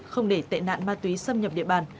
không để tệ nạn ma túy xâm nhập địa bàn